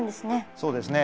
そうですね。